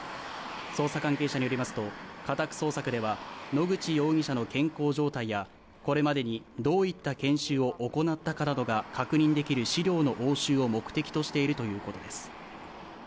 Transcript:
捜査関係者によりますと家宅捜索では野口容疑者の健康状態やこれまでにどういった研修を行ったかなどが確認できる資料の押収を目的としているということです。